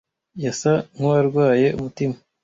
Yasa nkuwarwaye umutima.